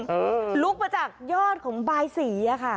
เออลุกมาจากยอดของบายสีอะค่ะ